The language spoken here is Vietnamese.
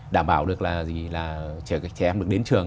đảm bảo được là trẻ em được đến trường